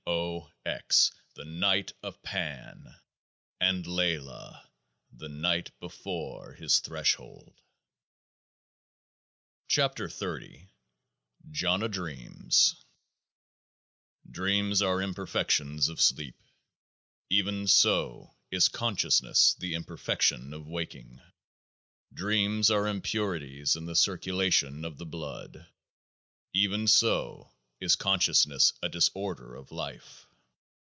O. X. the night of Pan ; and Laylah, the night before His threshold ! 39 KEOAAH A JOHN A DREAMS Dreams are imperfections of sleep ; even so is consciousness the imperfection of waking. Dreams are impurities in the circulation of the blood ; even so is consciousness a disorder of life.